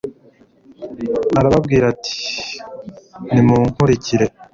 arababwira ati nimunkurikire